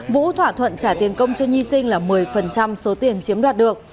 vũ thỏa thuận trả tiền công cho nhi sinh là một mươi số tiền chiếm đoạt được